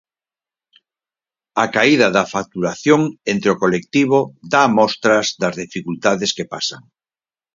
A caída da facturación entre o colectivo dá mostras das dificultades que pasan.